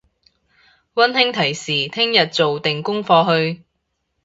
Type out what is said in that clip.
溫馨提示聽日做定功課去！